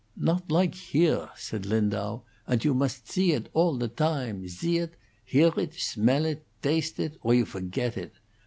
"Nodt like here," said Lindau. "Andt you must zee it all the dtime zee it, hear it, smell it, dtaste it or you forget it.